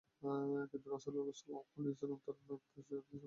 কিন্তু রাসূল সাল্লাল্লাহু আলাইহি ওয়াসাল্লাম তার নাগপাশ এড়াতে সক্ষম হন।